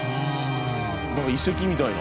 なんか遺跡みたいな。